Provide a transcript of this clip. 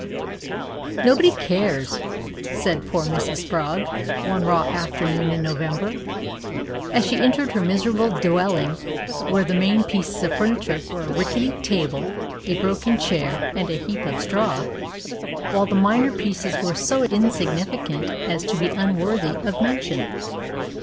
"Nobody cares," said poor Mrs Frog, one raw afternoon in November, as she entered her miserable dwelling, where the main pieces of furniture were a rickety table, a broken chair, and a heap of straw, while the minor pieces were so insignificant as to be unworthy of mention.